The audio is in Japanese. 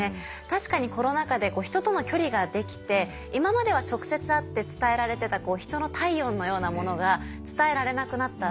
確かにコロナ禍で人との距離ができて今までは直接会って伝えられてた人の体温のようなものが伝えられなくなった。